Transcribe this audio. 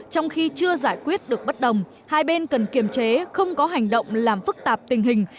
trong khi chưa giải quyết được bất đồng hai bên cần kiềm chế không có hành động làm phức tạp tình hình